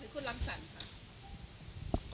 คุณรัมสรรค่ะ